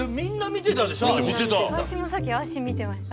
私もさっき足見てました。